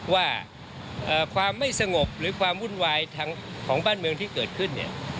ว่าความไม่สงบหรือความวุ่นวายของบ้านเมืองที่เกิดขึ้น